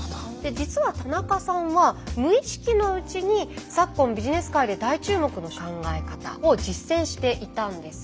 実は田中さんは無意識のうちに昨今ビジネス界で大注目の考え方を実践していたんです。